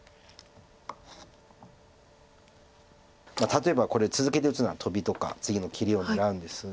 例えばこれ続けて打つならトビとか次の切りを狙うんですが。